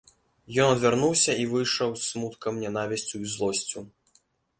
Ён адвярнуўся і выйшаў з смуткам, нянавісцю і злосцю.